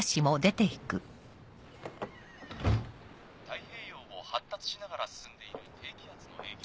太平洋を発達しながら進んでいる低気圧の影響で。